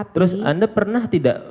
terus anda pernah tidak